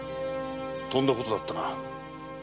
とんだことだったな。